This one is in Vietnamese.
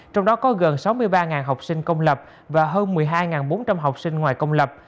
trong đó có gần sáu mươi ba học sinh công lập và hơn một mươi hai bốn trăm linh học sinh ngoài công lập